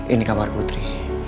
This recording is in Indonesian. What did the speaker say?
ini kamar putri